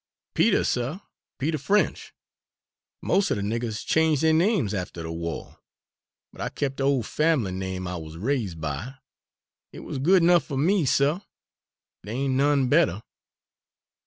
"Peter, suh Peter French. Most er de niggers change' dey names after de wah, but I kept de ole fambly name I wuz raise' by. It wuz good 'nuff fer me, suh; dey ain' none better."